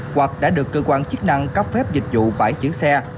hoặc đã được cơ quan chức năng cấp phép dịch vụ bãi chữ xe